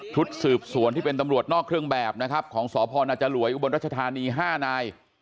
ชุดสืบสวนที่เป็นตำรวจนอกเครื่องแบบนะครับของสพนจรวยอุบลรัชธานี๕นาย